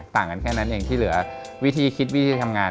ต่างกันแค่นั้นเองที่เหลือวิธีคิดวิธีทำงาน